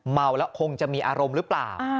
เมาแล้วคงจะมีอารมณ์หรือเปล่า